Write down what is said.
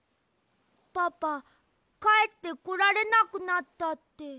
パパかえってこられなくなったって。